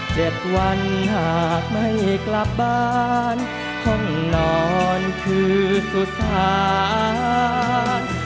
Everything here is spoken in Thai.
๗วันหากไม่กลับบ้านห้องนอนคือสุสาน